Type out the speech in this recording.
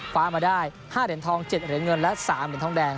คว้ามาได้๕เดียนทอง๗เดียนเงินและ๓เดียนทองแดง